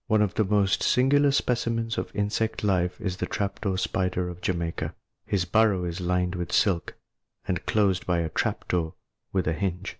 = One of the most singular specimens of insect life is the trap door spider of Jamaica. His burrow is lined with silk, and closed by a trap door with a hinge.